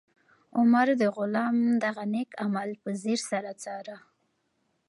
عمر د غلام دغه نېک عمل په ځیر سره څاره.